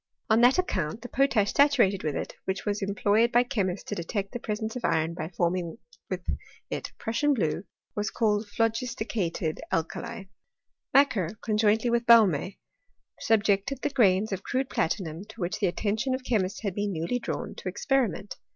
On that account the ^>otash saturated with it, which was employed by che ^sts to detect the presence of iron by forming with it Prussian blue, was colled phlogisticated alkali, Macquer, conjointly with Baume, subjected the grains of crude platinum, to which the attention of chemists had been newly drawn, to experiment.